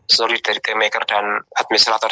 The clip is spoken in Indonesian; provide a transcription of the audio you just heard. solidaritas pembuat dan administrator